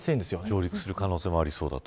上陸する可能性もありそうだと。